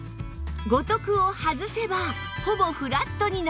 五徳を外せばほぼフラットになるので